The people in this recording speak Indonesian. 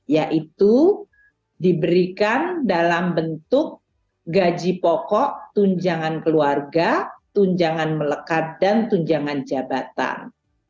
yaitu diberikan dalam bentuk gaji pokok tunjangan keluarga tunjangan melekat dan tunjangan jabatan